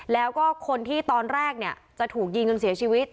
แล้วก็คนที่ตอนแรกเนี่ยจะถูกยิงจนเสียชีวิต